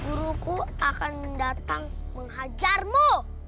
guruku akan datang menghajarmu